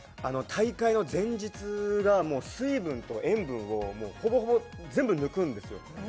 大会の前日がもう水分と塩分をもうほぼほぼ全部抜くんですよ